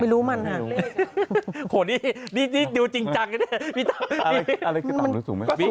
ไม่รู้มันอ่ะโหนี่นี่นี่ดูจริงจังพี่เต้าอะไรอะไรจะต่ำหรือสูงไหม